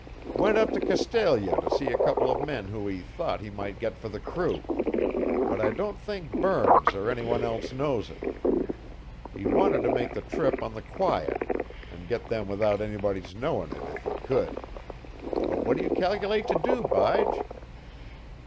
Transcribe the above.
"Went up to Castalia to see a couple of men who he thought he might get for the crew, but I don't think Burns or any one else knows it. He wanted to make the trip on the quiet an' get them without anybody's knowing it if he could. But what do you cal'late to do, Bige?"